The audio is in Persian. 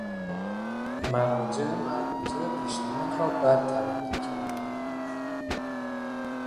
مراجع مربوطه پیشنهاد را بد تلقی کردند.